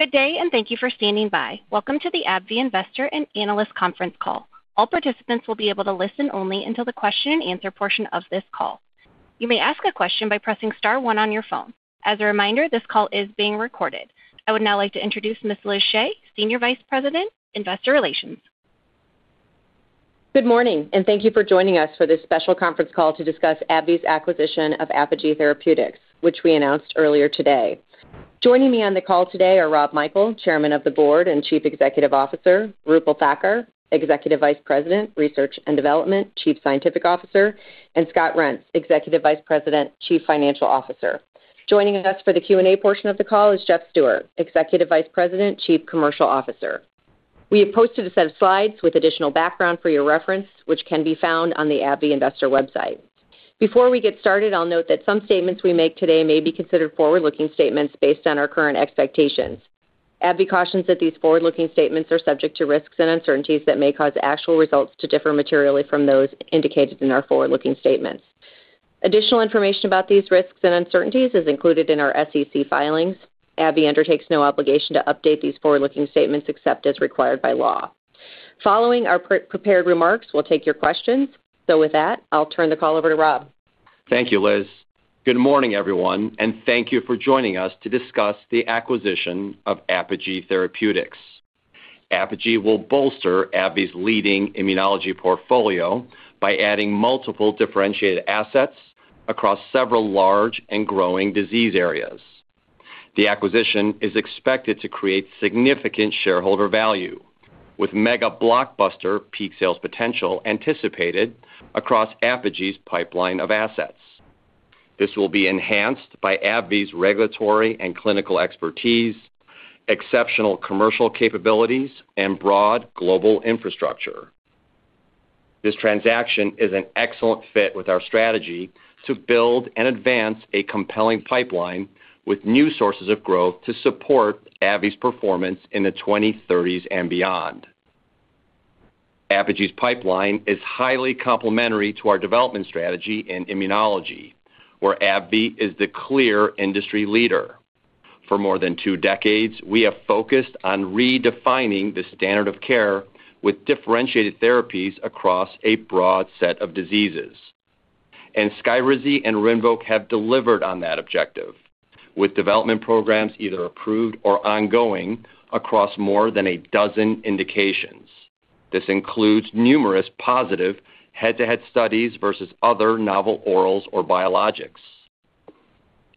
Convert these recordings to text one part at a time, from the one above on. Good day, thank you for standing by. Welcome to the AbbVie Investor and Analyst Conference call. All participants will be able to listen only until the question-and-answer portion of this call. You may ask a question by pressing star one on your phone. As a reminder, this call is being recorded. I would now like to introduce Ms. Liz Shea, Senior Vice President, Investor Relations. Good morning, thank you for joining us for this special conference call to discuss AbbVie's acquisition of Apogee Therapeutics, which we announced earlier today. Joining me on the call today are Rob Michael, Chairman of the Board and Chief Executive Officer, Roopal Thakkar, Executive Vice President, Research & Development, Chief Scientific Officer, and Scott Reents, Executive Vice President, Chief Financial Officer. Joining us for the Q&A portion of the call is Jeff Stewart, Executive Vice President, Chief Commercial Officer. We have posted a set of slides with additional background for your reference, which can be found on the AbbVie investor website. Before we get started, I'll note that some statements we make today may be considered forward-looking statements based on our current expectations. AbbVie cautions that these forward-looking statements are subject to risks and uncertainties that may cause actual results to differ materially from those indicated in our forward-looking statements. Additional information about these risks and uncertainties is included in our SEC filings. AbbVie undertakes no obligation to update these forward-looking statements except as required by law. Following our prepared remarks, we'll take your questions. With that, I'll turn the call over to Rob. Thank you, Liz. Good morning, everyone, thank you for joining us to discuss the acquisition of Apogee Therapeutics. Apogee will bolster AbbVie's leading immunology portfolio by adding multiple differentiated assets across several large and growing disease areas. The acquisition is expected to create significant shareholder value, with mega blockbuster peak sales potential anticipated across Apogee's pipeline of assets. This will be enhanced by AbbVie's regulatory and clinical expertise, exceptional commercial capabilities, and broad global infrastructure. This transaction is an excellent fit with our strategy to build and advance a compelling pipeline with new sources of growth to support AbbVie's performance in the 2030s and beyond. Apogee's pipeline is highly complementary to our development strategy in immunology, where AbbVie is the clear industry leader. For more than two decades, we have focused on redefining the standard of care with differentiated therapies across a broad set of diseases. Skyrizi and Rinvoq have delivered on that objective, with development programs either approved or ongoing across more than a dozen indications. This includes numerous positive head-to-head studies versus other novel orals or biologics.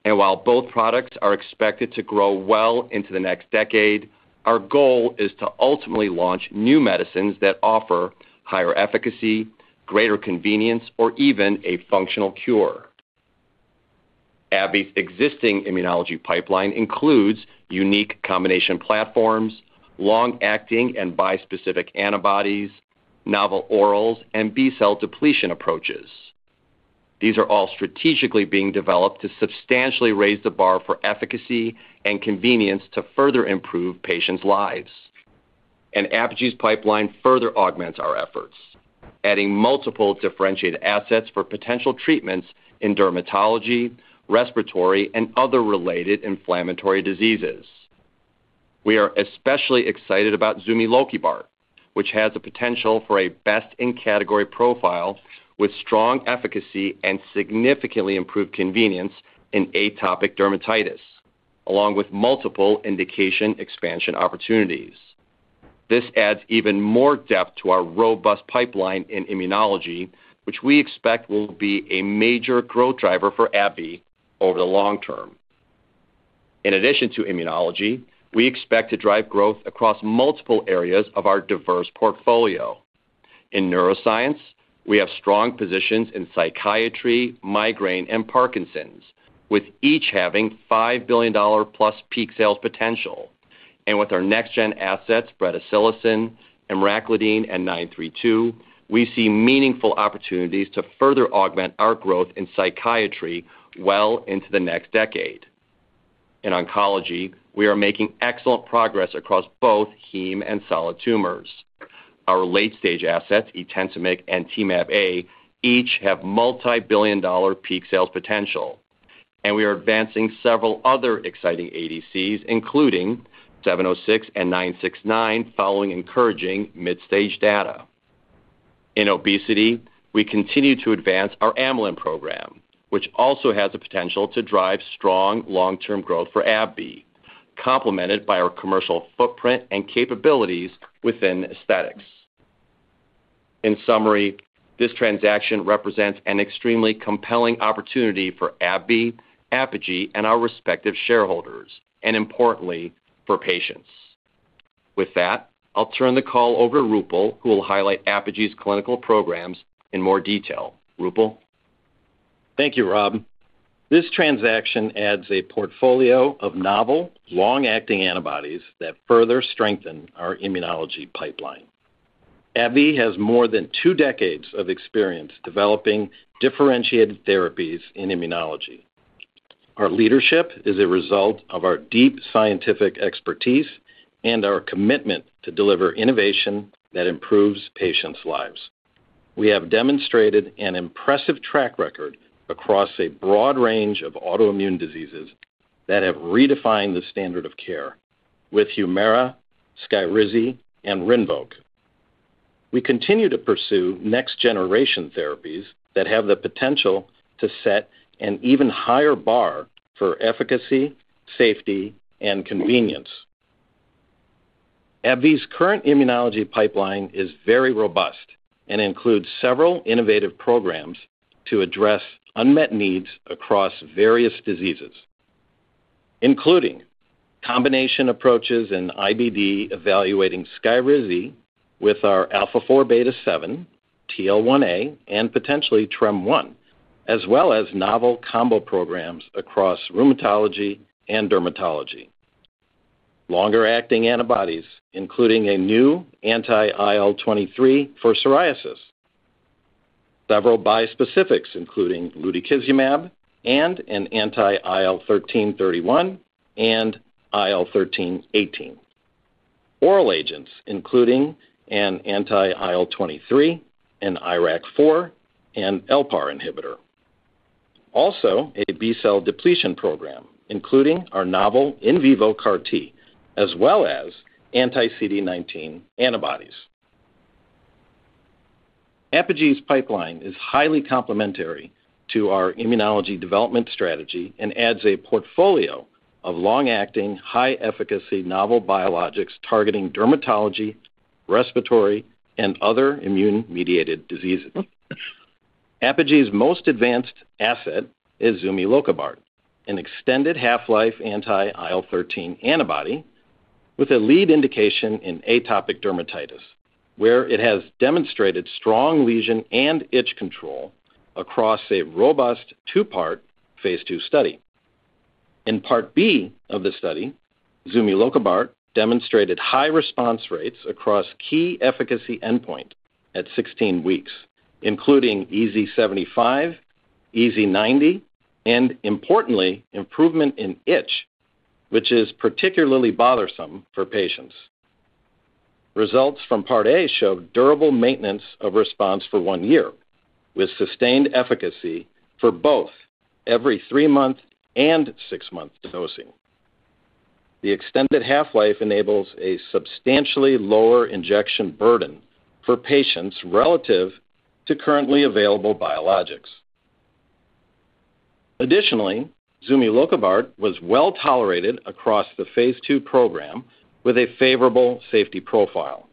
While both products are expected to grow well into the next decade, our goal is to ultimately launch new medicines that offer higher efficacy, greater convenience, or even a functional cure. AbbVie's existing immunology pipeline includes unique combination platforms, long-acting and bispecific antibodies, novel orals, and B-cell depletion approaches. These are all strategically being developed to substantially raise the bar for efficacy and convenience to further improve patients' lives. Apogee's pipeline further augments our efforts, adding multiple differentiated assets for potential treatments in dermatology, respiratory, and other related inflammatory diseases. We are especially excited about zumilokibart, which has the potential for a best-in-category profile with strong efficacy and significantly improved convenience in atopic dermatitis, along with multiple indication expansion opportunities. This adds even more depth to our robust pipeline in immunology, which we expect will be a major growth driver for AbbVie over the long term. In addition to immunology, we expect to drive growth across multiple areas of our diverse portfolio. In neuroscience, we have strong positions in psychiatry, migraine, and Parkinson's, with each having $5 billion+ peak sales potential. With our next-gen assets, bretisilocin, emraclidine, and ABBV-932, we see meaningful opportunities to further augment our growth in psychiatry well into the next decade. In oncology, we are making excellent progress across both heme and solid tumors. Our late-stage assets, etentamig and Temab-A, each have multibillion-dollar peak sales potential. We are advancing several other exciting ADCs, including 706 and 969, following encouraging mid-stage data. In obesity, we continue to advance our Amylin program, which also has the potential to drive strong long-term growth for AbbVie, complemented by our commercial footprint and capabilities within aesthetics. In summary, this transaction represents an extremely compelling opportunity for AbbVie, Apogee, and our respective shareholders, and importantly, for patients. With that, I'll turn the call over to Roopal, who will highlight Apogee's clinical programs in more detail. Roopal. Thank you, Rob. This transaction adds a portfolio of novel, long-acting antibodies that further strengthen our immunology pipeline. AbbVie has more than two decades of experience developing differentiated therapies in immunology. Our leadership is a result of our deep scientific expertise and our commitment to deliver innovation that improves patients lives. We have demonstrated an impressive track record across a broad range of autoimmune diseases that have redefined the standard of care with Humira, Skyrizi, and Rinvoq. We continue to pursue next-generation therapies that have the potential to set an even higher bar for efficacy, safety, and convenience. AbbVie's current immunology pipeline is very robust and includes several innovative programs to address unmet needs across various diseases, including combination approaches in IBD, evaluating Skyrizi with our alpha4beta7, TL1A, and potentially TREM-1, as well as novel combo programs across rheumatology and dermatology. Longer-acting antibodies, including a new anti-IL-23 for psoriasis. Several bispecifics, including lutikizumab and an anti-IL-13/31 and IL-13/18. Oral agents including an anti-IL-23, an IRAK4, and LPAR inhibitor. A B-cell depletion program, including our novel in vivo CAR T as well as anti-CD19 antibodies. Apogee's pipeline is highly complementary to our immunology development strategy and adds a portfolio of long-acting, high-efficacy novel biologics targeting dermatology, respiratory, and other immune-mediated diseases. Apogee's most advanced asset is zumilokibart, an extended half-life anti-IL-13 antibody with a lead indication in atopic dermatitis, where it has demonstrated strong lesion and itch control across a robust two-part phase II study. In Part B of the study, zumilokibart demonstrated high response rates across key efficacy endpoint at 16 weeks, including EASI-75, EASI-90, and importantly, improvement in itch, which is particularly bothersome for patients. Results from Part A showed durable maintenance of response for one year with sustained efficacy for both every three months and six months dosing. The extended half-life enables a substantially lower injection burden for patients relative to currently available biologics. zumilokibart was well-tolerated across the phase II program with a favorable safety profile.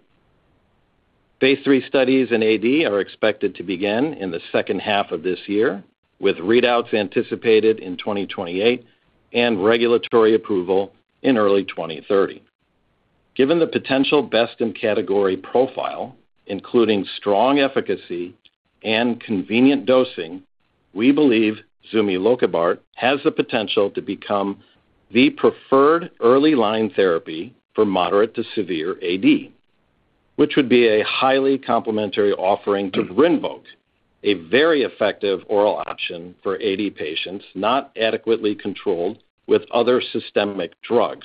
phase III studies in AD are expected to begin in the second half of this year, with readouts anticipated in 2028 and regulatory approval in early 2030. Given the potential best-in-category profile, including strong efficacy and convenient dosing, we believe zumilokibart has the potential to become the preferred early line therapy for moderate to severe AD, which would be a highly complementary offering to Rinvoq, a very effective oral option for AD patients not adequately controlled with other systemic drugs,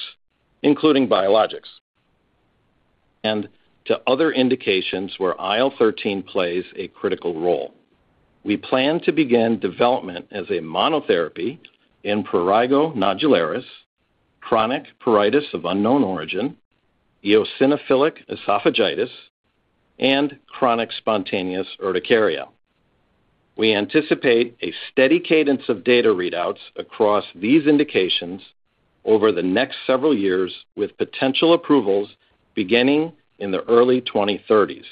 including biologics, and to other indications where IL-13 plays a critical role. We plan to begin development as a monotherapy in prurigo nodularis, chronic pruritus of unknown origin, eosinophilic esophagitis, and chronic spontaneous urticaria. We anticipate a steady cadence of data readouts across these indications over the next several years, with potential approvals beginning in the early 2030s.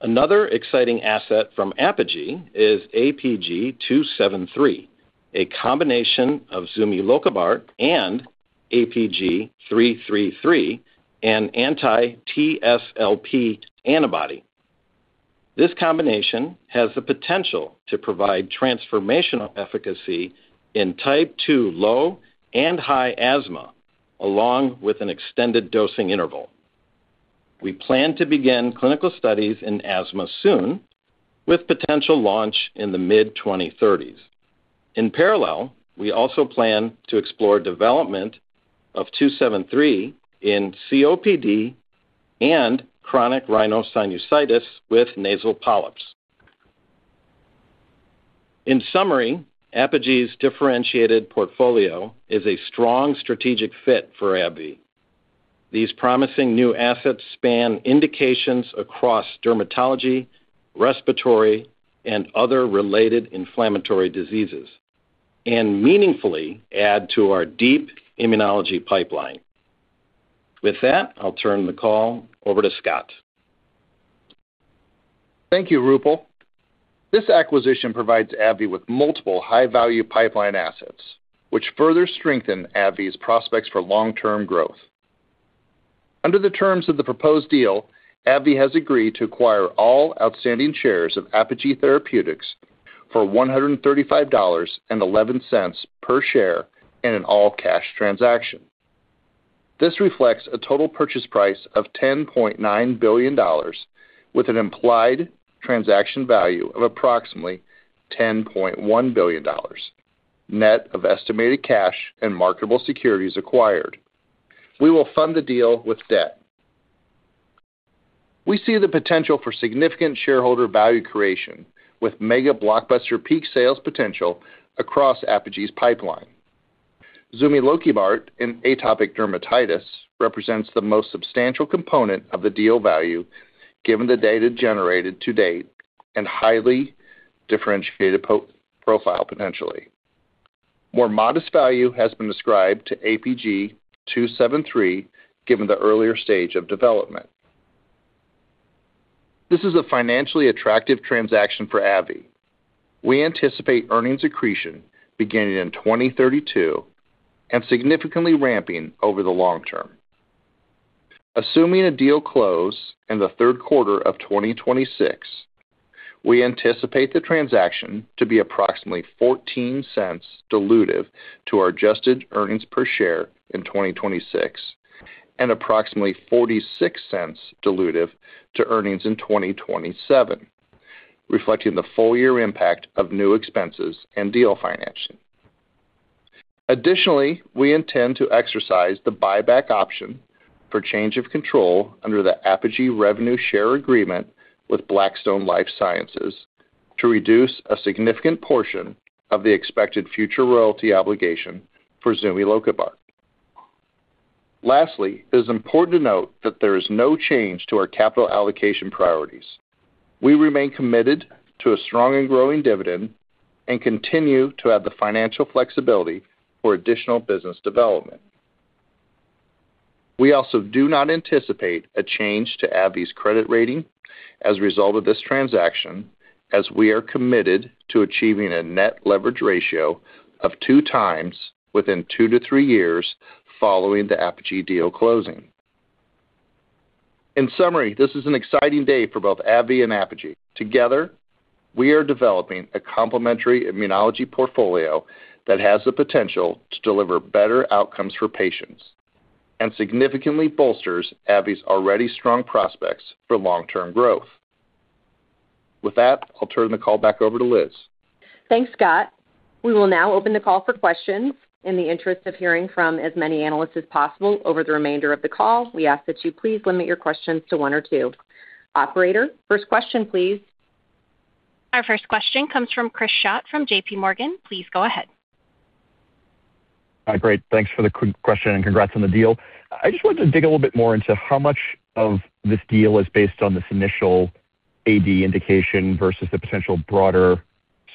Another exciting asset from Apogee is APG273, a combination of zumilokibart and APG333, an anti-TSLP antibody. This combination has the potential to provide transformational efficacy in type two, low and high asthma, along with an extended dosing interval. We plan to begin clinical studies in asthma soon with potential launch in the mid-2030s. In parallel, we also plan to explore development of APG273 in COPD and chronic rhinosinusitis with nasal polyps. In summary, Apogee's differentiated portfolio is a strong strategic fit for AbbVie. These promising new assets span indications across dermatology, respiratory, and other related inflammatory diseases and meaningfully add to our deep immunology pipeline. With that, I'll turn the call over to Scott. Thank you, Roopal. This acquisition provides AbbVie with multiple high-value pipeline assets, which further strengthen AbbVie's prospects for long-term growth. Under the terms of the proposed deal, AbbVie has agreed to acquire all outstanding shares of Apogee Therapeutics for $135.11 per share in an all-cash transaction. This reflects a total purchase price of $10.9 billion, with an implied transaction value of approximately $10.1 billion, net of estimated cash and marketable securities acquired. We will fund the deal with debt. We see the potential for significant shareholder value creation with mega blockbuster peak sales potential across Apogee's pipeline. Zumilokibart in atopic dermatitis represents the most substantial component of the deal value given the data generated to date and highly differentiated profile potentially. More modest value has been ascribed to APG273 given the earlier stage of development. This is a financially attractive transaction for AbbVie. We anticipate earnings accretion beginning in 2032 and significantly ramping over the long term. Assuming a deal close in the third quarter of 2026, we anticipate the transaction to be approximately $0.14 dilutive to our adjusted earnings per share in 2026 and approximately $0.46 dilutive to earnings in 2027, reflecting the full-year impact of new expenses and deal financing. Additionally, we intend to exercise the buyback option for change of control under the Apogee revenue share agreement with Blackstone Life Sciences to reduce a significant portion of the expected future royalty obligation for zumilokibart. Lastly, it is important to note that there is no change to our capital allocation priorities. We remain committed to a strong and growing dividend and continue to have the financial flexibility for additional business development. We also do not anticipate a change to AbbVie's credit rating as a result of this transaction, as we are committed to achieving a net leverage ratio of 2x within two to three years following the Apogee deal closing. In summary, this is an exciting day for both AbbVie and Apogee. Together, we are developing a complementary immunology portfolio that has the potential to deliver better outcomes for patients and significantly bolsters AbbVie's already strong prospects for long-term growth. With that, I'll turn the call back over to Liz. Thanks, Scott. We will now open the call for questions. In the interest of hearing from as many analysts as possible over the remainder of the call, we ask that you please limit your questions to one or two. Operator, first question please. Our first question comes from Chris Schott from JPMorgan. Please go ahead. Hi. Great. Thanks for the quick question, congrats on the deal. I just wanted to dig a little bit more into how much of this deal is based on this initial AD indication versus the potential broader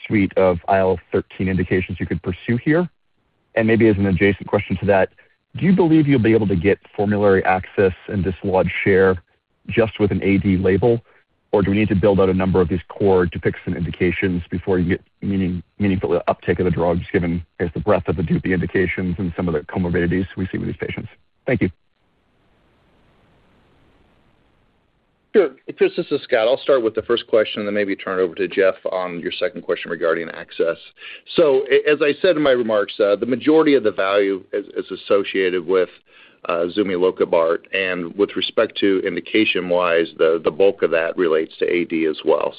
suite of IL-13 indications you could pursue here. Maybe as an adjacent question to that, do you believe you'll be able to get formulary access and dislodge share just with an AD label? Do we need to build out a number of these core Dupixent indications before you get meaningful uptake of the drug, just given the breadth of the Dupie indications and some of the comorbidities we see with these patients? Thank you. Sure. Chris, this is Scott. I'll start with the first question, maybe turn it over to Jeff on your second question regarding access. As I said in my remarks, the majority of the value is associated with zumilokibart. With respect to indication-wise, the bulk of that relates to AD as well.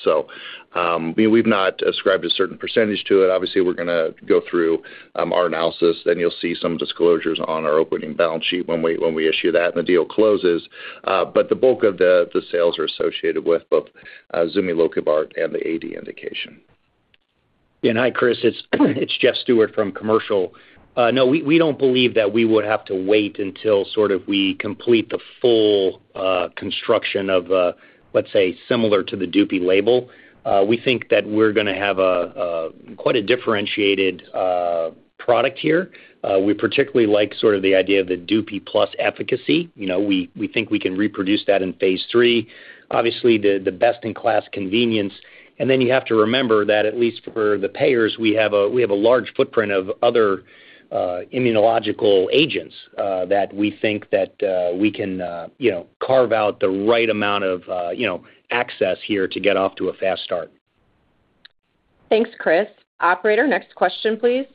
We've not ascribed a certain percentage to it. Obviously, we're going to go through our analysis, you'll see some disclosures on our opening balance sheet when we issue that and the deal closes. The bulk of the sales are associated with both zumilokibart and the AD indication. Yeah. Hi, Chris. It's Jeff Stewart from Commercial. No, we don't believe that we would have to wait until we complete the full construction of, let's say, similar to the Dupixent label. We think that we're going to have quite a differentiated product here. We particularly like the idea of the Dupie plus efficacy. We think we can reproduce that in phase III. Obviously, the best-in-class convenience. You have to remember that at least for the payers, we have a large footprint of other immunological agents that we think that we can carve out the right amount of access here to get off to a fast start. Thanks, Chris. Operator, next question, please.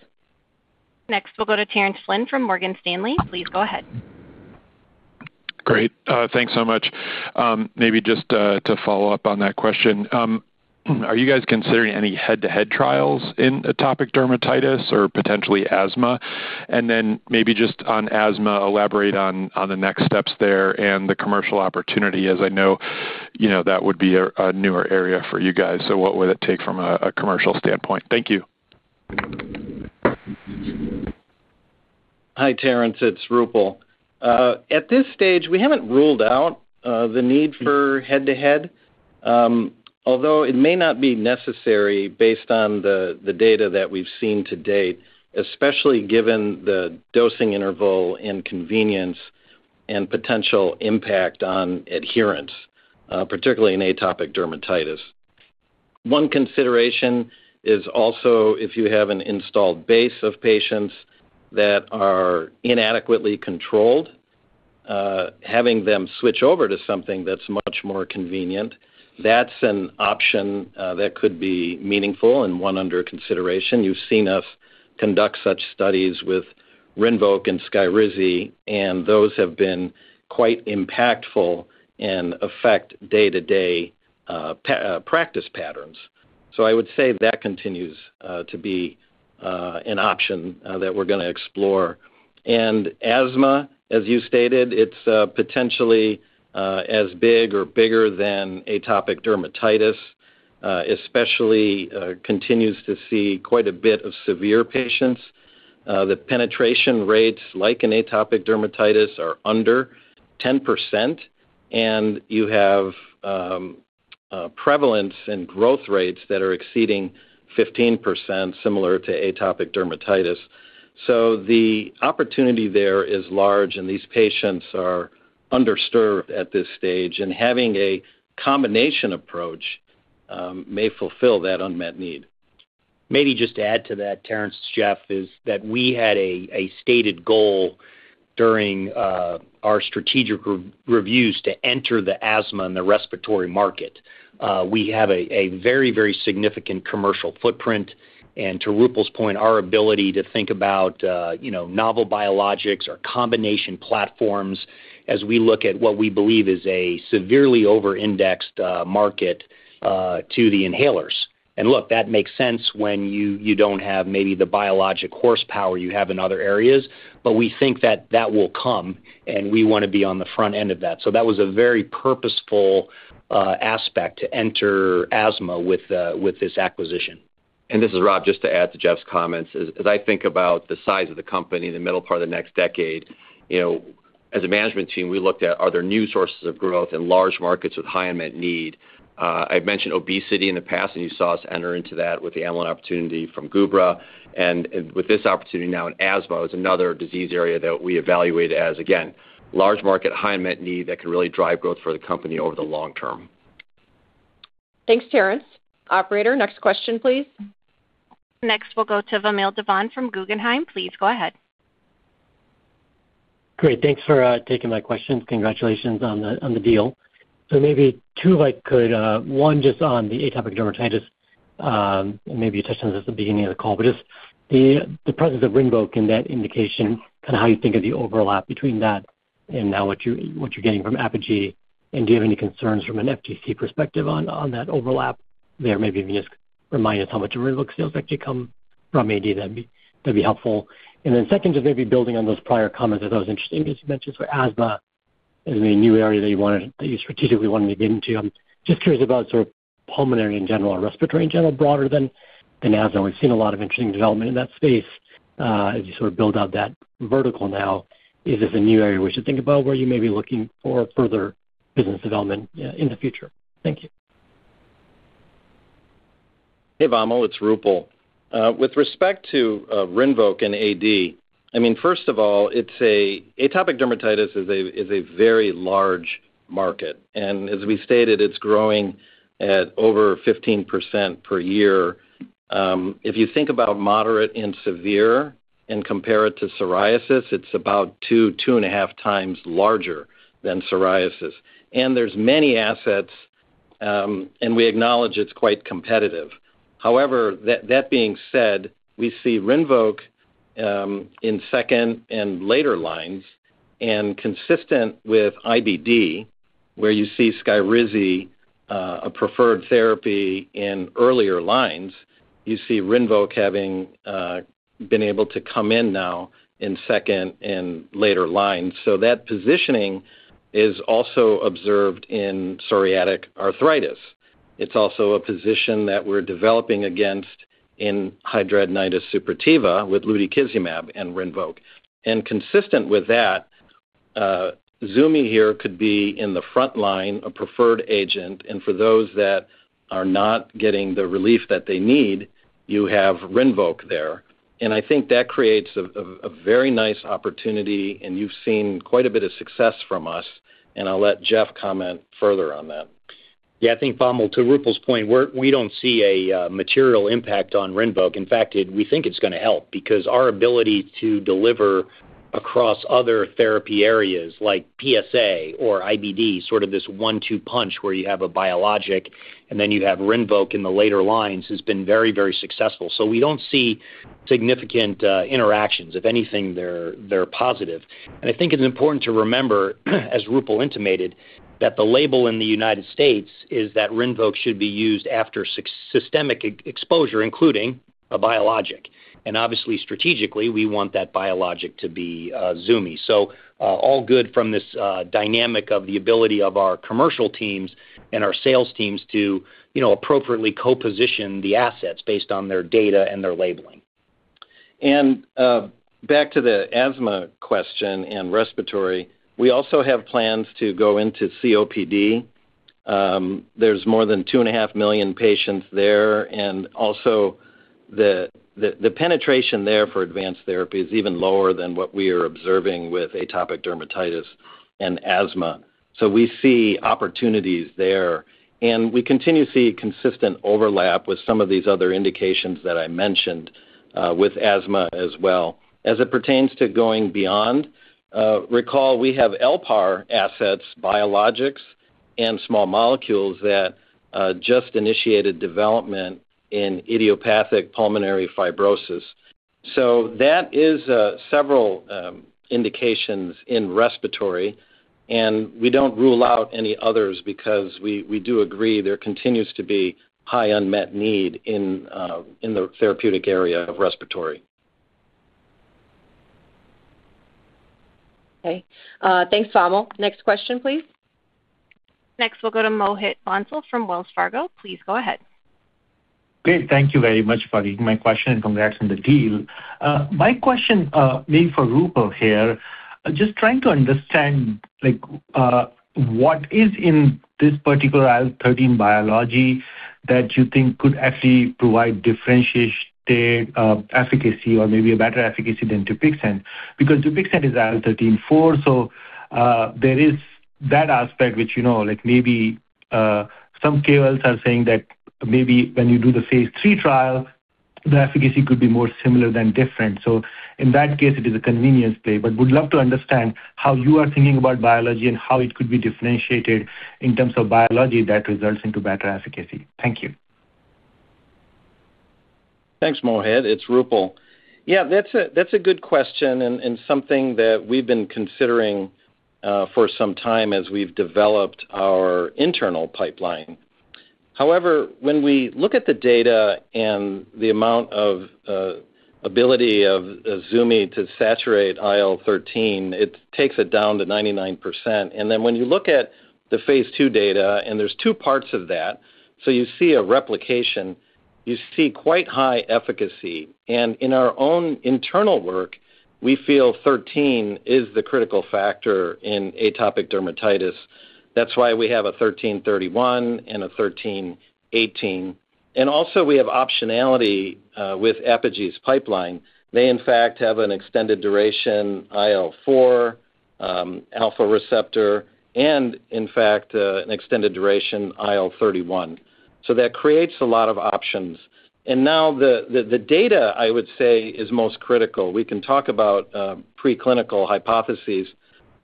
Next, we'll go to Terence Flynn from Morgan Stanley. Please go ahead. Great. Thanks so much. Maybe just to follow up on that question, are you guys considering any head-to-head trials in atopic dermatitis or potentially asthma? Maybe just on asthma, elaborate on the next steps there and the commercial opportunity, as I know that would be a newer area for you guys. What would it take from a commercial standpoint? Thank you. Hi, Terence. It's Roopal. At this stage, we haven't ruled out the need for head-to-head. Although it may not be necessary based on the data that we've seen to date, especially given the dosing interval and convenience and potential impact on adherence, particularly in atopic dermatitis. One consideration is also if you have an installed base of patients that are inadequately controlled, having them switch over to something that's much more convenient, that's an option that could be meaningful and one under consideration. You've seen us conduct such studies with Rinvoq and Skyrizi, and those have been quite impactful and affect day-to-day. Practice patterns. I would say that continues to be an option that we're going to explore. Asthma, as you stated, it's potentially as big or bigger than atopic dermatitis, especially continues to see quite a bit of severe patients. The penetration rates, like in atopic dermatitis, are under 10%, and you have prevalence and growth rates that are exceeding 15%, similar to atopic dermatitis. The opportunity there is large, and these patients are underserved at this stage, and having a combination approach may fulfill that unmet need. Maybe just to add to that, Terence, Its Jeff, is that we had a stated goal during our strategic reviews to enter the asthma and the respiratory market. We have a very significant commercial footprint and to Roopal's point, our ability to think about novel biologics or combination platforms as we look at what we believe is a severely over-indexed market to the inhalers. Look, that makes sense when you don't have maybe the biologic horsepower you have in other areas. We think that that will come, and we want to be on the front end of that. That was a very purposeful aspect to enter asthma with this acquisition. This is Rob. Just to add to Jeff's comments, as I think about the size of the company in the middle part of the next decade, as a management team, we looked at are there new sources of growth in large markets with high unmet need? I've mentioned obesity in the past, and you saw us enter into that with the Amylin opportunity from Gubra. With this opportunity now in asthma is another disease area that we evaluate as, again, large market, high unmet need that can really drive growth for the company over the long term. Thanks, Terence. Operator, next question, please. Next, we'll go to Vamil Divan from Guggenheim. Please go ahead. Great. Thanks for taking my questions. Congratulations on the deal. Maybe two, if I could. One, just on the atopic dermatitis. Maybe you touched on this at the beginning of the call, but just the presence of Rinvoq in that indication and how you think of the overlap between that and now what you're getting from Apogee, and do you have any concerns from an FTC perspective on that overlap there? Maybe if you could just remind us how much of Rinvoq sales actually come from AD, that'd be helpful. Second, just maybe building on those prior comments. I thought it was interesting because you mentioned asthma as a new area that you strategically want to be getting to. I'm just curious about sort of pulmonary in general or respiratory in general, broader than asthma. We've seen a lot of interesting development in that space as you sort of build out that vertical now. Is this a new area we should think about where you may be looking for further business development in the future? Thank you. Hey, Vamil. It's Roopal. With respect to Rinvoq and AD, first of all, atopic dermatitis is a very large market. As we stated, it's growing at over 15% per year. If you think about moderate and severe and compare it to psoriasis, it's about 2.5x larger than psoriasis. There's many assets, and we acknowledge it's quite competitive. However, that being said, we see Rinvoq in second and later lines, and consistent with IBD, where you see Skyrizi a preferred therapy in earlier lines, you see Rinvoq having been able to come in now in second and later lines. That positioning is also observed in psoriatic arthritis. It's also a position that we're developing against in hidradenitis suppurativa with lutikizumab and Rinvoq. Consistent with that, ZUMI here could be in the front line a preferred agent, and for those that are not getting the relief that they need, you have Rinvoq there. I think that creates a very nice opportunity, and you've seen quite a bit of success from us, and I'll let Jeff comment further on that. Yeah, I think, Vamil, to Roopal's point, we don't see a material impact on Rinvoq. In fact, we think it's going to help because our ability to deliver across other therapy areas like PSA or IBD, sort of this one-two punch where you have a biologic and then you have RINVOQ in the later lines has been very successful. We don't see significant interactions. If anything, they're positive. I think it's important to remember as Roopal intimated, that the label in the U.S. is that Rinvoq should be used after systemic exposure, including a biologic. Obviously, strategically, we want that biologic to be ZUMI. All good from this dynamic of the ability of our commercial teams and our sales teams to appropriately co-position the assets based on their data and their labeling. Back to the asthma question and respiratory, we also have plans to go into COPD. There's more than 2.5 million patients there, and also the penetration there for advanced therapy is even lower than what we are observing with atopic dermatitis and asthma. We see opportunities there, and we continue to see consistent overlap with some of these other indications that I mentioned with asthma as well. As it pertains to going beyond, recall we have LPAR assets, biologics and small molecules that just initiated development in idiopathic pulmonary fibrosis. That is several indications in respiratory, and we don't rule out any others because we do agree there continues to be high unmet need in the therapeutic area of respiratory. Okay. Thanks, Vamil. Next question, please. Next, we'll go to Mohit Bansal from Wells Fargo. Please go ahead. Great. Thank you very much for taking my question, congrats on the deal. My question maybe for Roopal here. Just trying to understand what is in this particular IL-13 biology that you think could actually provide differentiated efficacy or maybe a better efficacy than Dupixent, because Dupixent is IL-4 so there is that aspect, which you know, maybe some KOLs are saying that maybe when you do the phase III trial, the efficacy could be more similar than different. In that case, it is a convenience play, would love to understand how you are thinking about biology and how it could be differentiated in terms of biology that results into better efficacy. Thank you. Thanks, Mohit. It's Roopal. That's a good question and something that we've been considering for some time as we've developed our internal pipeline. However, when we look at the data and the amount of ability of Zumi to saturate IL-13, it takes it down to 99%. Then when you look at the phase II data, and there's two parts of that, you see a replication, you see quite high efficacy. In our own internal work, we feel IL-13 is the critical factor in atopic dermatitis. That's why we have an IL-13/31 and an IL-13/18. Also, we have optionality with Apogee's pipeline. They, in fact, have an extended duration IL-4 receptor alpha and in fact, an extended duration IL-31. That creates a lot of options. Now the data, I would say, is most critical. We can talk about preclinical hypotheses,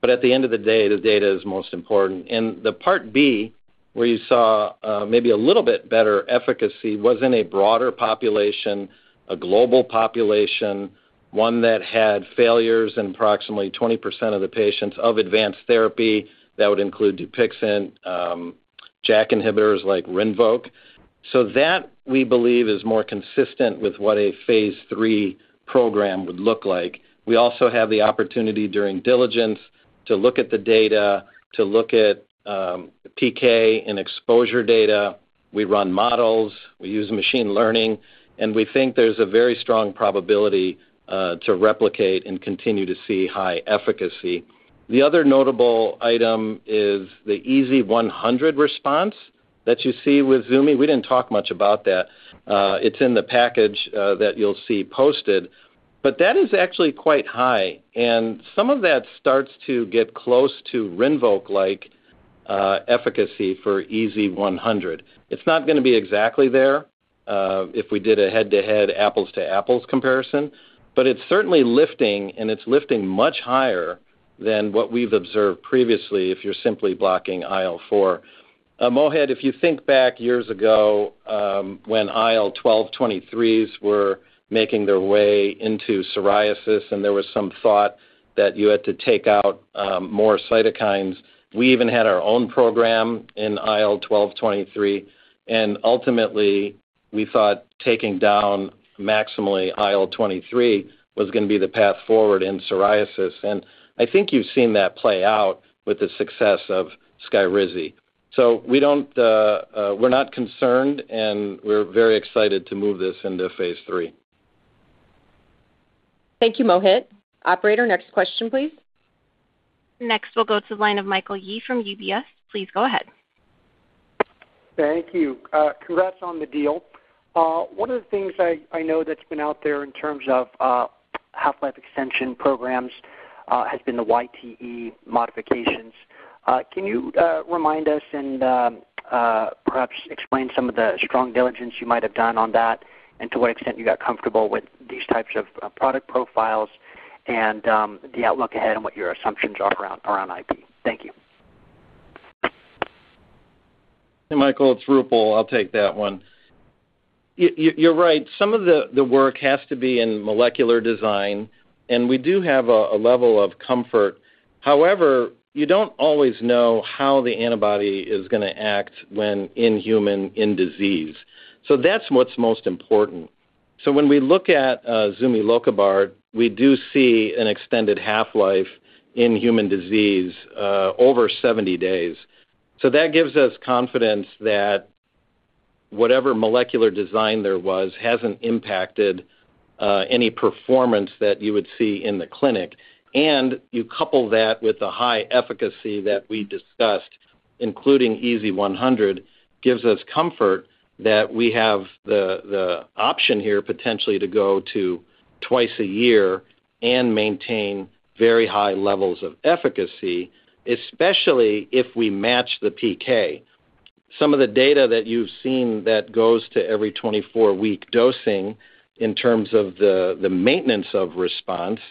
at the end of the day, the data is most important. The Part B, where you saw maybe a little bit better efficacy, was in a broader population, a global population, one that had failures in approximately 20% of the patients of advanced therapy. That would include Dupixent, JAK inhibitors like Rinvoq. That, we believe, is more consistent with what a phase III program would look like. We also have the opportunity during diligence to look at the data, to look at PK and exposure data. We run models, we use machine learning, and we think there's a very strong probability to replicate and continue to see high efficacy. The other notable item is the EASI-100 response that you see with Zumi. We didn't talk much about that. It's in the package that you'll see posted. That is actually quite high, and some of that starts to get close to Rinvoq-like efficacy for EASI-100. It's not going to be exactly there if we did a head-to-head, apples-to-apples comparison, but it's certainly lifting, and it's lifting much higher than what we've observed previously if you're simply blocking IL-4. Mohit, if you think back years ago when IL-12/23s were making their way into psoriasis, there was some thought that you had to take out more cytokines. We even had our own program in IL-12/23, and ultimately, we thought taking down maximally IL-23 was going to be the path forward in psoriasis. I think you've seen that play out with the success of Skyrizi. We're not concerned, and we're very excited to move this into phase III. Thank you, Mohit. Operator, next question, please. Next, we'll go to the line of Michael Yee from UBS. Please go ahead. Thank you. Congrats on the deal. One of the things I know that's been out there in terms of half-life extension programs has been the YTE modifications. Can you remind us and perhaps explain some of the strong diligence you might have done on that and to what extent you got comfortable with these types of product profiles and the outlook ahead and what your assumptions are around IP? Thank you. Hey, Michael. It's Roopal. I'll take that one. You're right. Some of the work has to be in molecular design. We do have a level of comfort. However, you don't always know how the antibody is going to act when in human in disease. That's what's most important. When we look at zumilokibart, we do see an extended half-life in human disease over 70 days. That gives us confidence that whatever molecular design there was hasn't impacted any performance that you would see in the clinic. You couple that with the high efficacy that we discussed, including EASI-100, gives us comfort that we have the option here potentially to go to twice a year and maintain very high levels of efficacy, especially if we match the PK. Some of the data that you've seen that goes to every 24-week dosing in terms of the maintenance of response,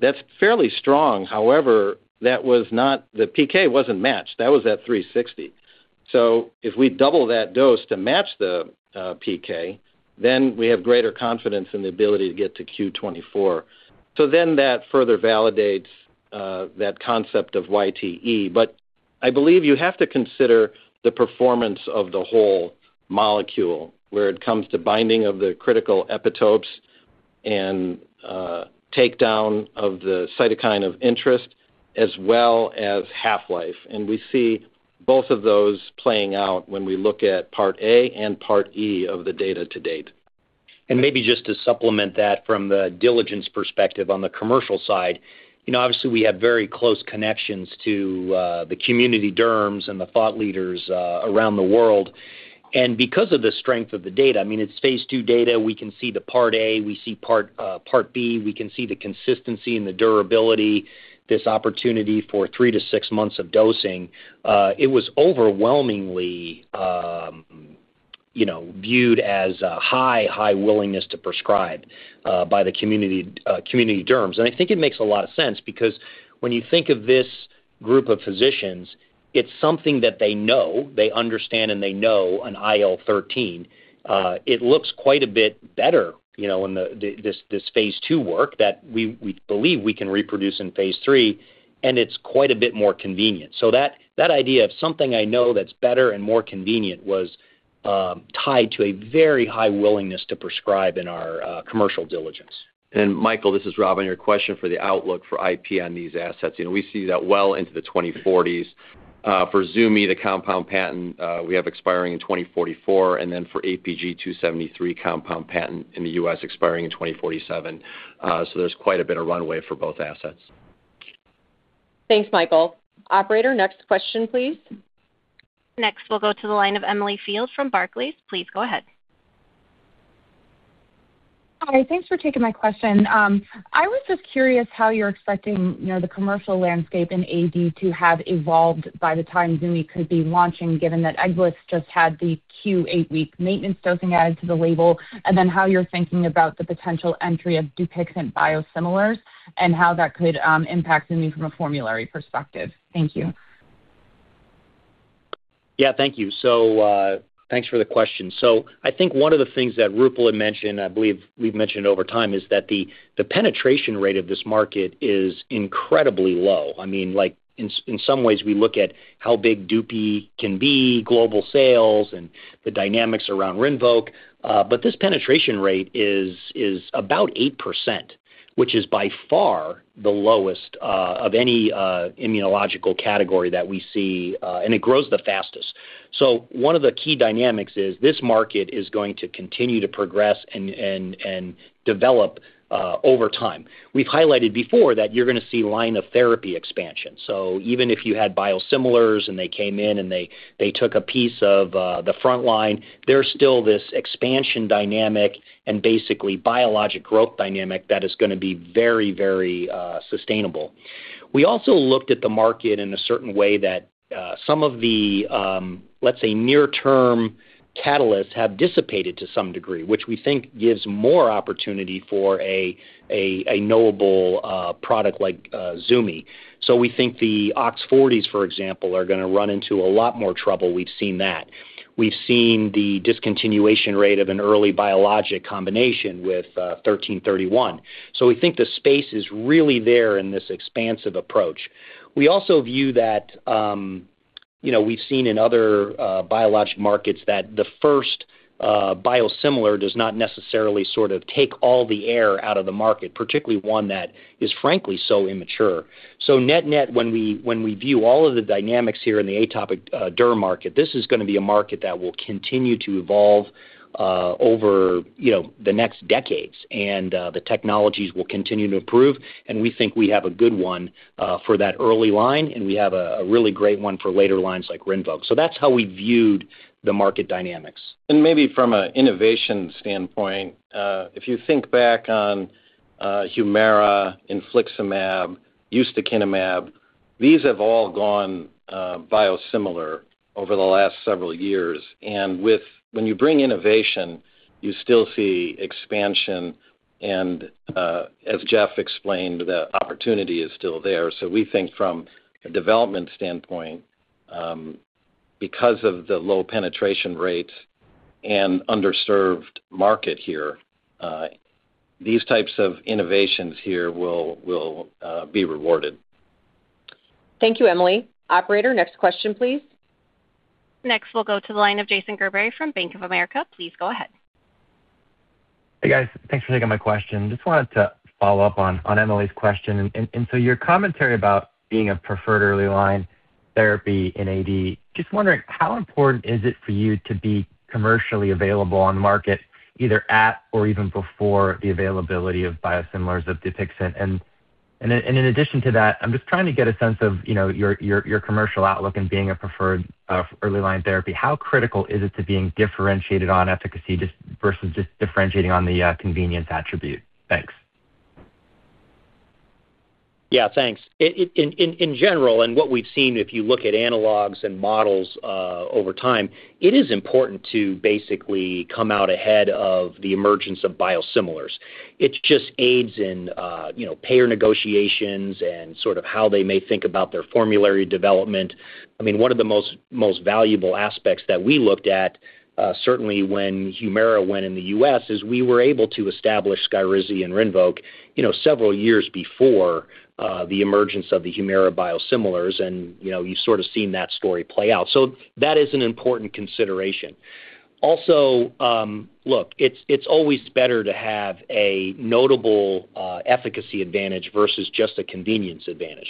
that's fairly strong. However, the PK wasn't matched. That was at 360. If we double that dose to match the PK, we have greater confidence in the ability to get to Q24. That further validates that concept of YTE. I believe you have to consider the performance of the whole molecule, where it comes to binding of the critical epitopes and takedown of the cytokine of interest, as well as half-life. We see both of those playing out when we look at part A and part E of the data to date. Maybe just to supplement that from the diligence perspective on the commercial side. Obviously, we have very close connections to the community derms and the thought leaders around the world. Because of the strength of the data, it's phase II data. We can see the part A, we see part B, we can see the consistency and the durability, this opportunity for three to six months of dosing. It was overwhelmingly viewed as a high willingness to prescribe by the community derms. I think it makes a lot of sense because when you think of this group of physicians, it's something that they know, they understand. They know an IL-13. It looks quite a bit better in this phase II work that we believe we can reproduce in phase III. It's quite a bit more convenient. That idea of something I know that's better and more convenient was tied to a very high willingness to prescribe in our commercial diligence. Michael, this is Rob. Your question for the outlook for IP on these assets. We see that well into the 2040s. For ZUMI, the compound patent, we have expiring in 2044, and then for APG273 compound patent in the U.S. expiring in 2047. There's quite a bit of runway for both assets. Thanks, Michael. Operator, next question, please. Next, we'll go to the line of Emily Field from Barclays. Please go ahead. Hi. Thanks for taking my question. I was just curious how you're expecting the commercial landscape in AD to have evolved by the time ZUMI could be launching, given that Ebglyss just had the Q8-week maintenance dosing added to the label, how you're thinking about the potential entry of Dupixent biosimilars and how that could impact ZUMI from a formulary perspective. Thank you. Yeah, thank you. Thanks for the question. I think one of the things that Roopal had mentioned, I believe we've mentioned over time, is that the penetration rate of this market is incredibly low. In some ways, we look at how big Dupixent can be, global sales, and the dynamics around Rinvoq, but this penetration rate is about 8%, which is by far the lowest of any immunological category that we see, and it grows the fastest. One of the key dynamics is this market is going to continue to progress and develop over time. We've highlighted before that you're going to see line of therapy expansion. Even if you had biosimilars and they came in and they took a piece of the front line, there's still this expansion dynamic and basically biologic growth dynamic that is going to be very sustainable. We also looked at the market in a certain way that some of the, let's say, near-term catalysts have dissipated to some degree, which we think gives more opportunity for a knowable product like ZUMI. We think the OX40, for example, are going to run into a lot more trouble. We've seen that. We've seen the discontinuation rate of an early biologic combination with IL-13/31. We think the space is really there in this expansive approach. We also view that we've seen in other biologic markets that the first biosimilar does not necessarily sort of take all the air out of the market, particularly one that is frankly so immature. Net-net, when we view all of the dynamics here in the atopic derm market, this is going to be a market that will continue to evolve over the next decades, and the technologies will continue to improve. We think we have a good one for that early line, and we have a really great one for later lines like Rinvoq. That's how we viewed the market dynamics. Maybe from an innovation standpoint, if you think back on Humira, infliximab, ustekinumab, these have all gone biosimilar over the last several years. When you bring innovation, you still see expansion and as Jeff explained, the opportunity is still there. We think from a development standpoint, because of the low penetration rates and underserved market here, these types of innovations here will be rewarded. Thank you, Emily. Operator, next question, please. Next, we'll go to the line of Jason Gerberry from Bank of America. Please go ahead. Hey, guys. Thanks for taking my question. Just wanted to follow up on Emily's question. Your commentary about being a preferred early line therapy in AD, just wondering how important is it for you to be commercially available on market, either at or even before the availability of biosimilars of Dupixent? In addition to that, I'm just trying to get a sense of your commercial outlook and being a preferred early line therapy. How critical is it to being differentiated on efficacy versus just differentiating on the convenience attribute? Thanks. Yeah, thanks. In general, what we've seen, if you look at analogs and models over time, it is important to basically come out ahead of the emergence of biosimilars. It just aids in payer negotiations and how they may think about their formulary development. One of the most valuable aspects that we looked at, certainly when Humira went in the U.S., is we were able to establish Skyrizi and Rinvoq several years before the emergence of the Humira biosimilars, and you've sort of seen that story play out. That is an important consideration. Look, it's always better to have a notable efficacy advantage versus just a convenience advantage.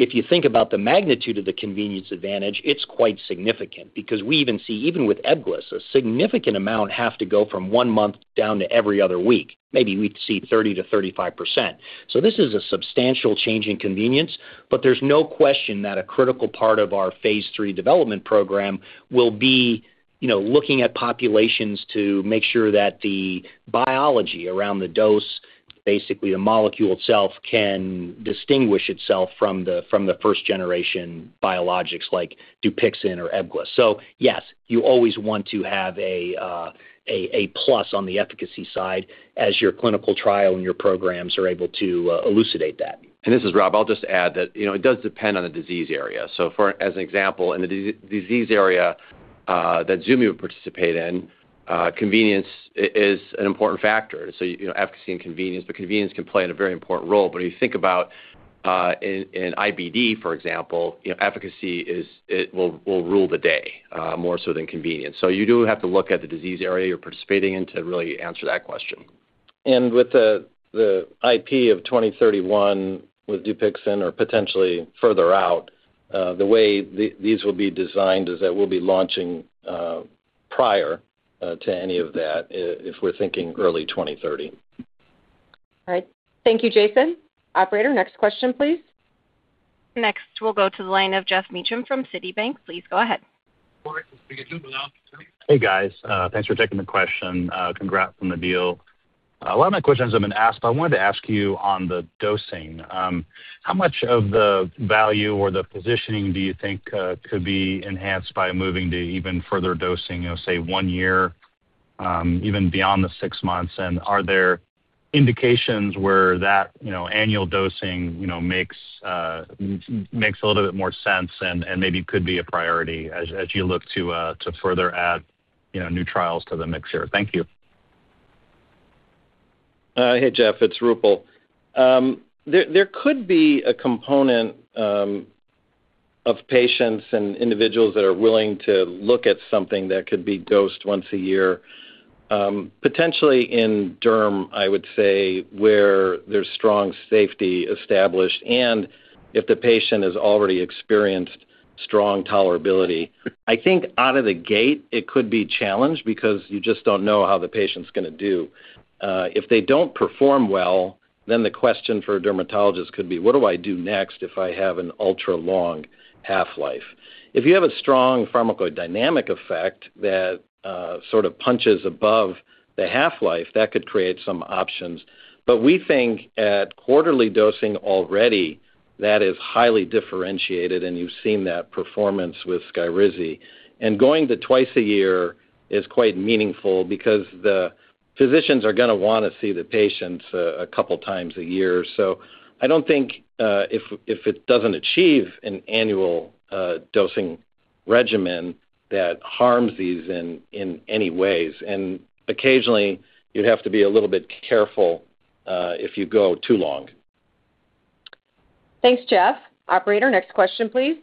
If you think about the magnitude of the convenience advantage, it's quite significant because we even see, even with Ebglyss, a significant amount have to go from one month down to every other week. Maybe we'd see 30%-35%. This is a substantial change in convenience, but there's no question that a critical part of our phase III development program will be looking at populations to make sure that the biology around the dose, basically the molecule itself, can distinguish itself from the first-generation biologics like Dupixent or Ebglyss. Yes, you always want to have a plus on the efficacy side as your clinical trial and your programs are able to elucidate that. This is Rob. I'll just add that it does depend on the disease area. For, as an example, in the disease area that zumilokibart would participate in, convenience is an important factor. Efficacy and convenience, but convenience can play in a very important role. When you think about in IBD, for example, efficacy will rule the day more so than convenience. You do have to look at the disease area you're participating in to really answer that question. With the IP of 2031 with Dupixent or potentially further out, the way these will be designed is that we'll be launching prior to any of that, if we're thinking early 2030. All right. Thank you, Jason. Operator, next question, please. Next, we'll go to the line of Geoff Meacham from Citi. Please go ahead. Hey, guys. Thanks for taking the question. Congrats on the deal. A lot of my questions have been asked, I wanted to ask you on the dosing. How much of the value or the positioning do you think could be enhanced by moving to even further dosing, say one year, even beyond the six months? Are there indications where that annual dosing makes a little bit more sense and maybe could be a priority as you look to further add new trials to the mix here? Thank you. Hey, Geoff, it's Roopal. There could be a component of patients and individuals that are willing to look at something that could be dosed once a year. Potentially in derm, I would say, where there's strong safety established, if the patient has already experienced strong tolerability. I think out of the gate, it could be a challenge because you just don't know how the patient's going to do. If they don't perform well, the question for a dermatologist could be, "What do I do next if I have an ultra-long half-life?" If you have a strong pharmacodynamic effect that sort of punches above the half-life, that could create some options. We think at quarterly dosing already, that is highly differentiated, and you've seen that performance with Skyrizi. Going to twice a year is quite meaningful because the physicians are going to want to see the patients a couple of times a year. I don't think if it doesn't achieve an annual dosing regimen that harms these in any ways. Occasionally you'd have to be a little bit careful if you go too long. Thanks, Geoff. Operator, next question, please.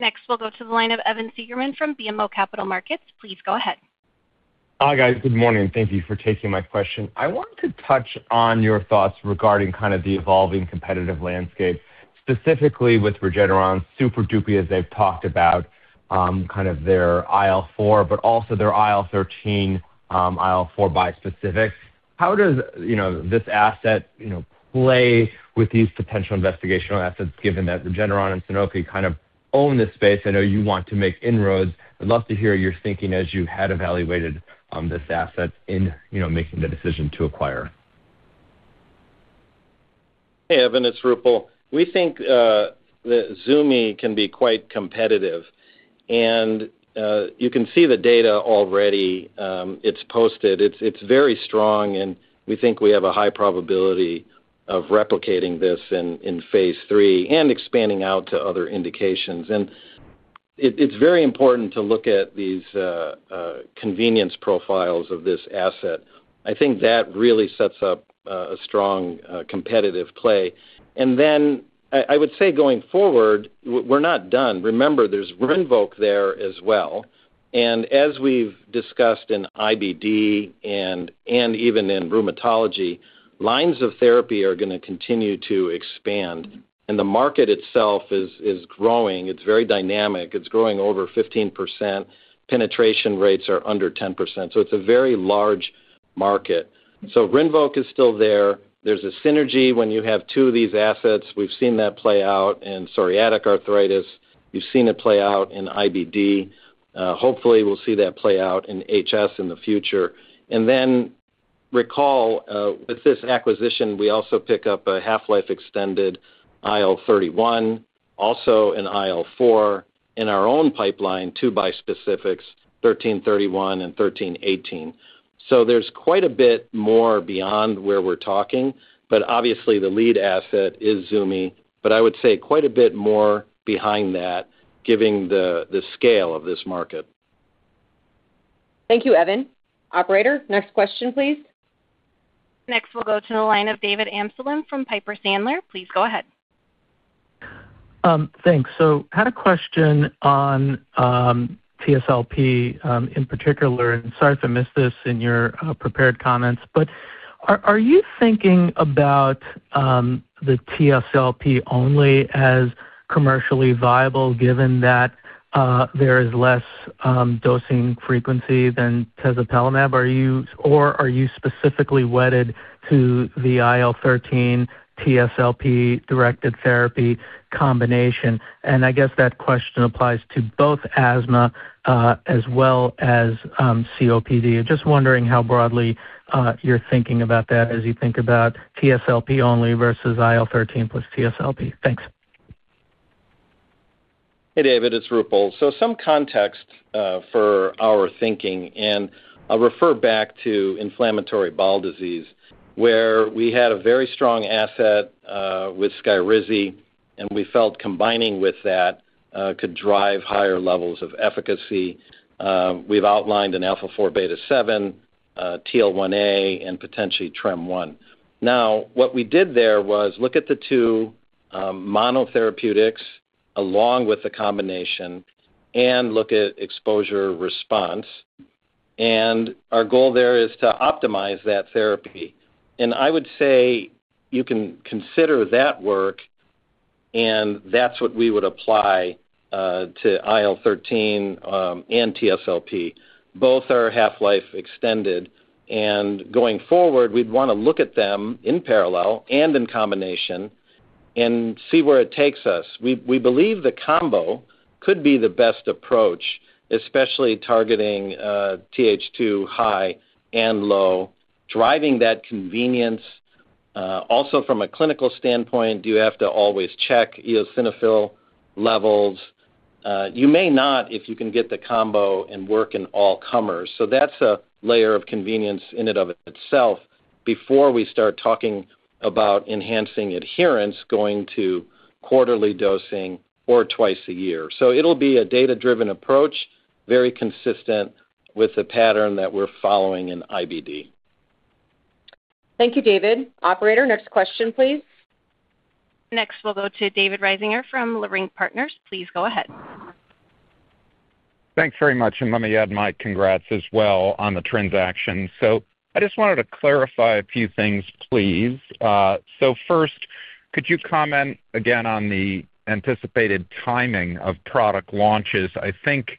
Next, we'll go to the line of Evan Seigerman from BMO Capital Markets. Please go ahead. Hi, guys. Good morning. Thank you for taking my question. I wanted to touch on your thoughts regarding kind of the evolving competitive landscape, specifically with Regeneron's super-dupy as they've talked about kind of their IL-4, but also their IL-13, IL-4 bispecifics. How does this asset play with these potential investigational assets given that Regeneron and Sanofi kind of own this space? I know you want to make inroads. I'd love to hear your thinking as you had evaluated this asset in making the decision to acquire. Hey, Evan, it's Roopal. We think that Zumi can be quite competitive, and you can see the data already. It's posted. It's very strong, and we think we have a high probability of replicating this in phase III and expanding out to other indications. It's very important to look at these convenience profiles of this asset. I think that really sets up a strong competitive play. I would say going forward, we're not done. Remember, there's Rinvoq there as well, and as we've discussed in IBD and even in rheumatology, lines of therapy are going to continue to expand, and the market itself is growing. It's very dynamic. It's growing over 15%. Penetration rates are under 10%, so it's a very large market. Rinvoq is still there. There's a synergy when you have two of these assets. We've seen that play out in psoriatic arthritis. You've seen it play out in IBD. Hopefully, we'll see that play out in HS in the future. Recall, with this acquisition, we also pick up a half-life extended IL-31, also an IL-4 in our own pipeline, two bispecifics, IL-13/31 and IL-13/18. There's quite a bit more beyond where we're talking, but obviously the lead asset is Zumi. I would say quite a bit more behind that, given the scale of this market. Thank you, Evan. Operator, next question, please. Next, we'll go to the line of David Amsellem from Piper Sandler. Please go ahead. Thanks. Had a question on TSLP, in particular, and sorry if I missed this in your prepared comments, but are you thinking about the TSLP only as commercially viable, given that there is less dosing frequency than tezepelumab? Or are you specifically wedded to the IL-13 TSLP-directed therapy combination? I guess that question applies to both asthma, as well as COPD. Just wondering how broadly you're thinking about that as you think about TSLP only versus IL-13 plus TSLP. Thanks. Hey, David, it's Roopal. Some context for our thinking, I'll refer back to inflammatory bowel disease, where we had a very strong asset with Skyrizi, we felt combining with that could drive higher levels of efficacy. We've outlined an alpha-4 beta-7, TL1A, and potentially TREM-1. What we did there was look at the two monotherapeutics along with the combination and look at exposure response, our goal there is to optimize that therapy. I would say you can consider that work and that's what we would apply to IL-13 and TSLP. Both are half-life extended, going forward, we'd want to look at them in parallel and in combination and see where it takes us. We believe the combo could be the best approach, especially targeting TH2 high and low, driving that convenience. Also from a clinical standpoint, do you have to always check eosinophil levels? You may not if you can get the combo and work in all comers. That's a layer of convenience in and of itself before we start talking about enhancing adherence, going to quarterly dosing or twice a year. It'll be a data-driven approach, very consistent with the pattern that we're following in IBD. Thank you, David. Operator, next question, please. Next, we'll go to David Risinger from Leerink Partners. Please go ahead. Thanks very much. Let me add my congrats as well on the transaction. I just wanted to clarify a few things, please. First, could you comment again on the anticipated timing of product launches? I think,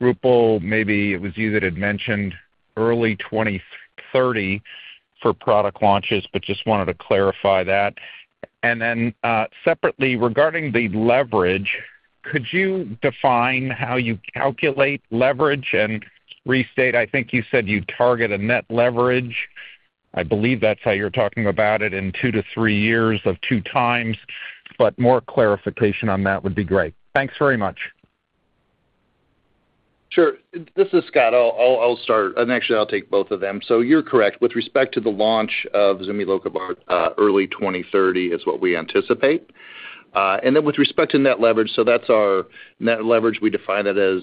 Roopal, maybe it was you that had mentioned early 2030 for product launches, but just wanted to clarify that. Separately, regarding the leverage, could you define how you calculate leverage and restate, I think you said you target a net leverage. I believe that's how you're talking about it in two to three years of 2x, but more clarification on that would be great. Thanks very much. Sure. This is Scott. I'll start. Actually, I'll take both of them. You're correct with respect to the launch of zumilokibart, early 2030 is what we anticipate. With respect to net leverage, that's our net leverage. We define it as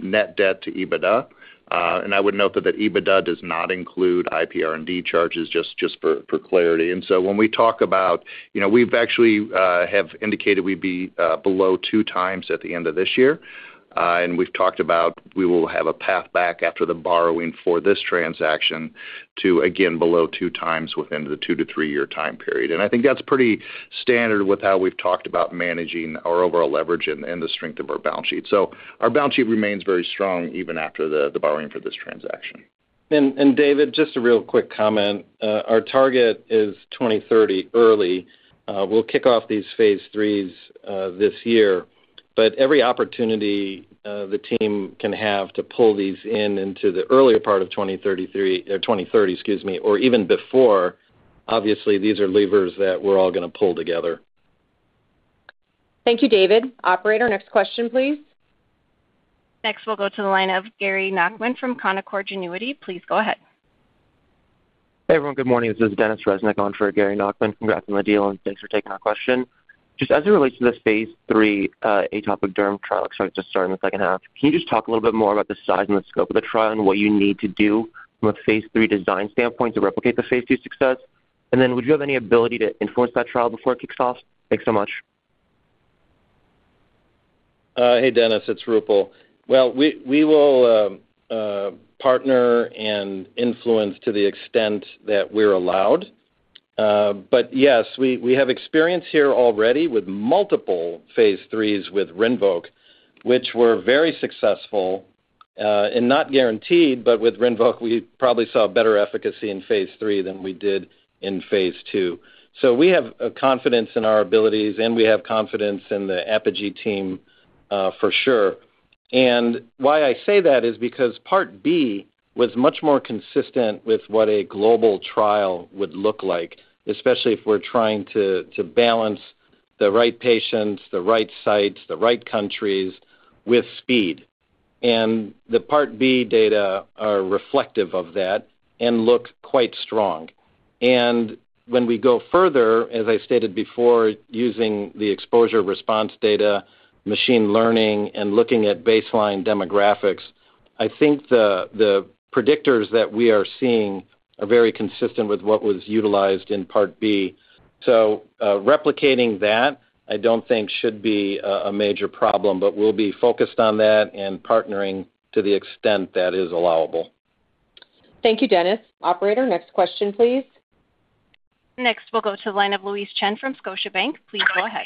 net debt to EBITDA. I would note that EBITDA does not include IPR&D charges, just for clarity. When we talk about, we've actually have indicated we'd be below 2x at the end of this year. We've talked about we will have a path back after the borrowing for this transaction to, again, below 2x within the two to three-year time period. I think that's pretty standard with how we've talked about managing our overall leverage and the strength of our balance sheet. Our balance sheet remains very strong even after the borrowing for this transaction. David, just a real quick comment. Our target is 2030 early. We'll kick off these phase III this year. Every opportunity the team can have to pull these in into the earlier part of 2030 or even before, obviously, these are levers that we're all going to pull together. Thank you, David. Operator, next question, please. Next, we'll go to the line of Gary Nachman from Canaccord Genuity. Please go ahead. Hey, everyone. Good morning. This is Denis Reznik on for Gary Nachman. Congrats on the deal, and thanks for taking our question. Just as it relates to the phase III atopic derm trial, which is starting the second half, can you just talk a little bit more about the size and the scope of the trial and what you need to do from a phase III design standpoint to replicate the phase II success? Then would you have any ability to influence that trial before it kicks off? Thanks so much. Hey, Dennis, it's Roopal. Well, we will partner and influence to the extent that we're allowed. Yes, we have experience here already with multiple phase IIIs with Rinvoq. Which were very successful, not guaranteed, with Rinvoq, we probably saw better efficacy in phase III than we did in phase II. We have confidence in our abilities, and we have confidence in the Apogee team for sure. Why I say that is because Part B was much more consistent with what a global trial would look like, especially if we're trying to balance the right patients, the right sites, the right countries with speed. The Part B data are reflective of that and look quite strong. When we go further, as I stated before, using the exposure response data, machine learning, and looking at baseline demographics, I think the predictors that we are seeing are very consistent with what was utilized in Part B. Replicating that, I don't think should be a major problem. We'll be focused on that and partnering to the extent that is allowable. Thank you, Dennis. Operator, next question, please. Next, we'll go to the line of Louise Chen from Scotiabank. Please go ahead.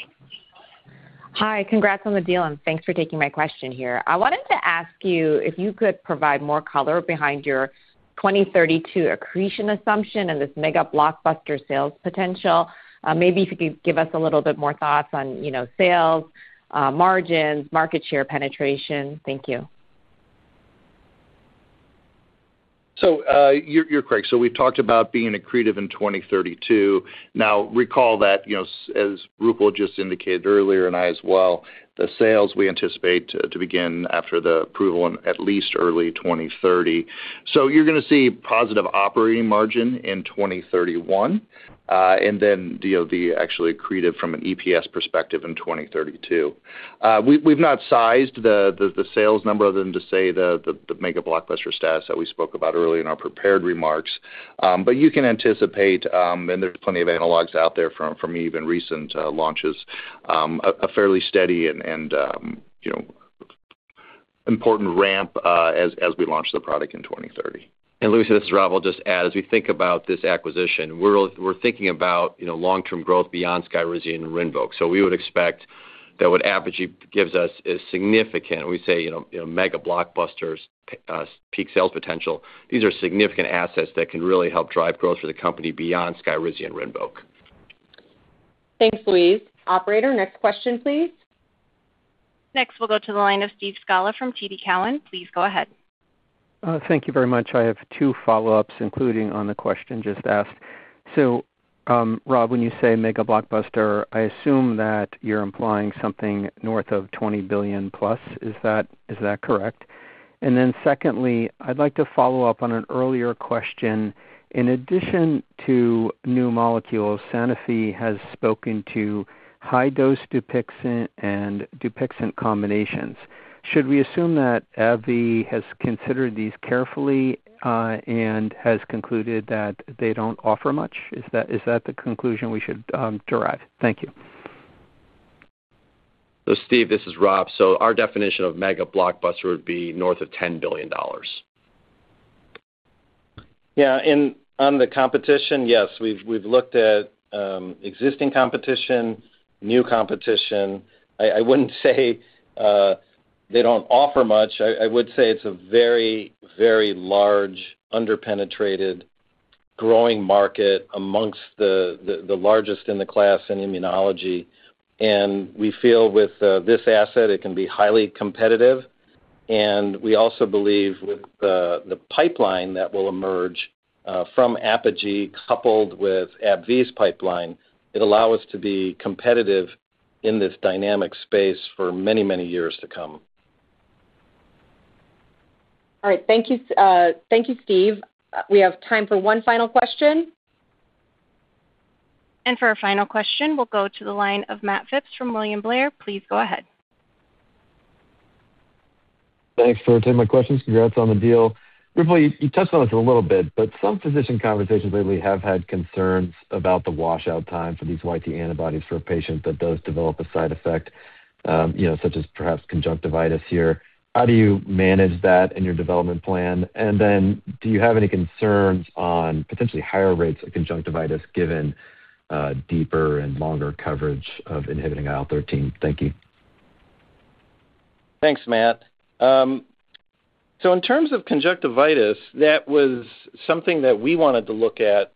Hi. Congrats on the deal. Thanks for taking my question here. I wanted to ask you if you could provide more color behind your 2032 accretion assumption and this mega blockbuster sales potential. Maybe if you could give us a little bit more thoughts on sales, margins, market share penetration. Thank you. You're correct. We've talked about being accretive in 2032. Now recall that, as Roopal just indicated earlier, and I as well, the sales we anticipate to begin after the approval in at least early 2030. You're going to see positive operating margin in 2031, and then deal actually accretive from an EPS perspective in 2032. We've not sized the sales number other than to say the mega blockbuster status that we spoke about earlier in our prepared remarks. You can anticipate, and there's plenty of analogs out there from even recent launches, a fairly steady and important ramp as we launch the product in 2030. Louise, this is Rob. I'll just add, as we think about this acquisition, we're thinking about long-term growth beyond Skyrizi and Rinvoq. We would expect that what Apogee gives us is significant. We say mega blockbusters, peak sales potential. These are significant assets that can really help drive growth for the company beyond Skyrizi and Rinvoq. Thanks, Louise. Operator, next question, please. Next, we'll go to the line of Steve Scala from TD Cowen. Please go ahead. Thank you very much. I have two follow-ups, including on the question just asked. Rob, when you say mega blockbuster, I assume that you're implying something north of $20 billion+. Is that correct? Secondly, I'd like to follow up on an earlier question. In addition to new molecules, Sanofi has spoken to high-dose Dupixent and Dupixent combinations. Should we assume that AbbVie has considered these carefully and has concluded that they don't offer much? Is that the conclusion we should derive? Thank you. Steve, this is Rob. Our definition of mega blockbuster would be north of $10 billion. Yeah. On the competition, yes, we've looked at existing competition, new competition. I wouldn't say they don't offer much. I would say it's a very, very large, under-penetrated, growing market amongst the largest in the class in immunology. We feel with this asset, it can be highly competitive. We also believe with the pipeline that will emerge from Apogee coupled with AbbVie's pipeline, it'll allow us to be competitive in this dynamic space for many, many years to come. All right. Thank you, Steve. We have time for one final question. For our final question, we'll go to the line of Matt Phipps from William Blair. Please go ahead. Thanks for taking my questions. Congrats on the deal. Roopal, you touched on this a little bit, but some physician conversations lately have had concerns about the washout time for these YTE antibodies for a patient that does develop a side effect, such as perhaps conjunctivitis here. How do you manage that in your development plan? Do you have any concerns on potentially higher rates of conjunctivitis given deeper and longer coverage of inhibiting IL-13? Thank you. Thanks, Matt. In terms of conjunctivitis, that was something that we wanted to look at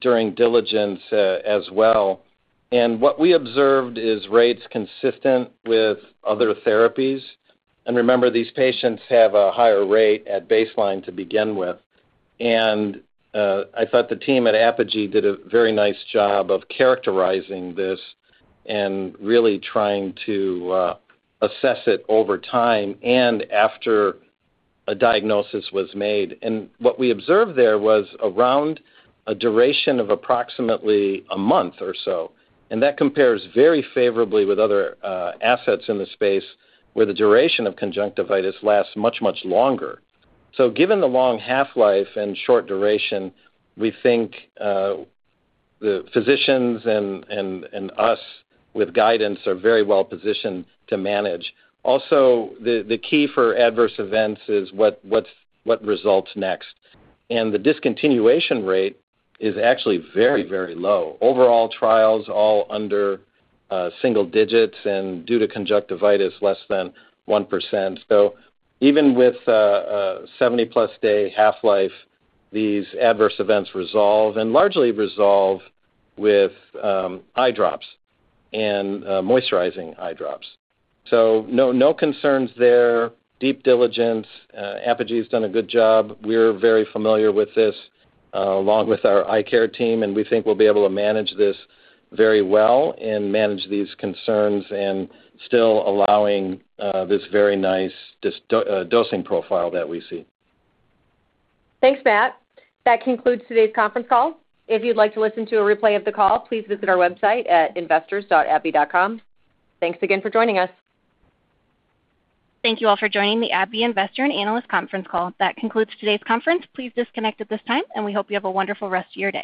during diligence as well. What we observed is rates consistent with other therapies. Remember, these patients have a higher rate at baseline to begin with. I thought the team at Apogee did a very nice job of characterizing this and really trying to assess it over time and after a diagnosis was made. What we observed there was around a duration of approximately a month or so. That compares very favorably with other assets in the space where the duration of conjunctivitis lasts much, much longer. Given the long half-life and short duration, we think the physicians and us with guidance are very well-positioned to manage. Also, the key for adverse events is what results next. The discontinuation rate is actually very, very low. Overall trials all under single digits and due to conjunctivitis, less than 1%. Even with a 70+ day half-life, these adverse events resolve and largely resolve with eye drops and moisturizing eye drops. No concerns there. Deep diligence. Apogee's done a good job. We're very familiar with this along with our eye care team, and we think we'll be able to manage this very well and manage these concerns and still allowing this very nice dosing profile that we see. Thanks, Matt. That concludes today's conference call. If you'd like to listen to a replay of the call, please visit our website at investors.abbvie.com. Thanks again for joining us. Thank you all for joining the AbbVie Investor and Analyst Conference Call. That concludes today's conference. Please disconnect at this time, and we hope you have a wonderful rest of your day.